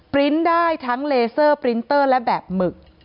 ปริ้นต์ได้ทั้งเลเซอร์ปรินเตอร์และแบบหมึก